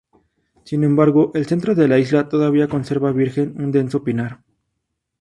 Sin embargo el centro de la isla todavía conserva virgen un denso pinar.